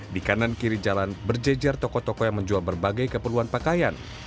di kanan kiri jalan berjejer toko toko yang menjual berbagai keperluan pakaian